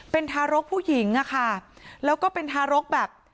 เป็นทารกผู้หญิงอะค่ะแล้วก็เป็นทารกแบบ